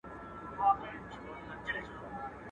o چرته هندوان، چرته توتان.